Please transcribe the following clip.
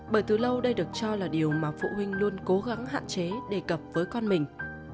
bởi từ lâu đây được cho là điều mà phụ huynh luôn cố gắng hạn chế đề cập với con mình